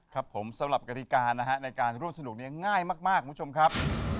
ครับผมสำหรับกฎิกานะฮะในการร่วมสนุกเนี่ยง่ายมากคุณผู้ชมครับ